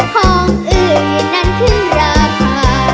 ของอื่นนั้นคือราคา